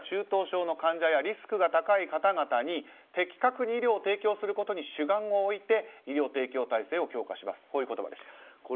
それから重症者や中等症の患者やリスクが高い方々に的確に医療を提供することに主眼を置いて医療提供体制を強化しますという言葉でした。